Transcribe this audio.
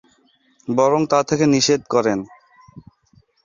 বরং তা থেকে নিষেধ করেন।